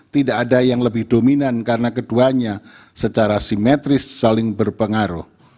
tidak ada yang lebih dominan karena keduanya secara simetris saling berpengaruh